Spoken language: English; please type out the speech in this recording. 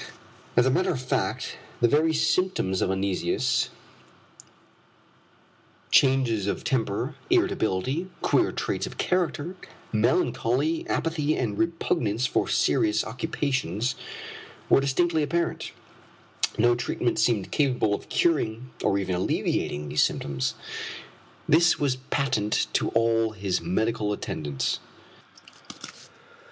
As a matter of fact the very symptoms of uneasiness, changes of temper, irritability, queer traits of character, melancholy, apathy, and a repugnance for serious occupations were distinctly apparent; no treatment seemed capable of curing or even alleviating these symptoms. This was patent to all his medical attendants.